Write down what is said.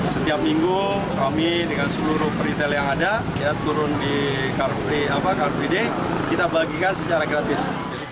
setiap minggu kami dengan seluruh peritel yang ada turun di car free day kita bagikan secara gratis